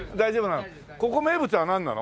ここ名物はなんなの？